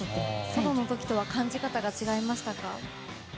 ソロの時とは感じ方が違いましたか？